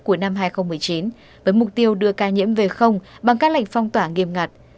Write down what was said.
của năm hai nghìn một mươi chín với mục tiêu đưa ca nhiễm về không bằng các lệnh phong tỏa nghiêm ngặt